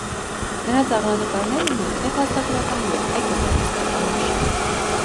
Նրա ծաղրանկարներն ունեն թե՛ փաստագրական և թե՛ գեղարվեստական արժեք։